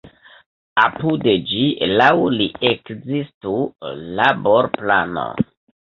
Apud ĝi laŭ li ekzistu laborplano.